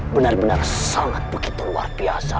benar benar sangat begitu luar biasa